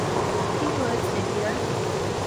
কি হয়েছে, ডিয়ার?